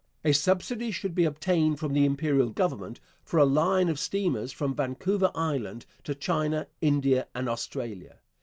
A subsidy should be obtained from the Imperial Government for 'a line of steamers from Vancouver Island to China, India, and Australia.'